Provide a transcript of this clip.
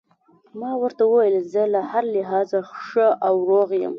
ما ورته وویل: زه له هر لحاظه ښه او روغ یم.